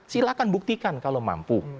silakan buktikan kalau mampu